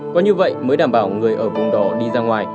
có như vậy mới đảm bảo người ở vùng đỏ đi ra ngoài